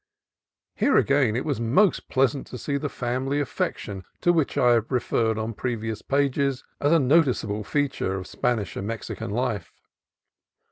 Here again it was most pleasant to see the family affection to which I have referred in previous pages as a notice able feature of Spanish and Mexican life.